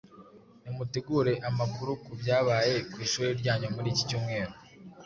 Nimutegure amakuru ku byabaye ku ishuri ryanyu muri iki cyumweru,